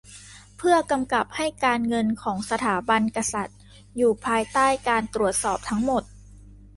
เพื่อกำกับให้การเงินของสถาบันกษัตริย์อยู่ภายใต้การตรวจสอบทั้งหมด